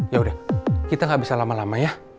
yaudah kita gak bisa lama lama ya